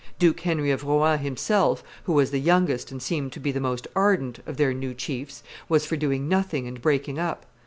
Duke Henry of Rohan himself, who was the youngest, and seemed to be the most ardent, of their new chiefs, was for doing nothing and breaking up.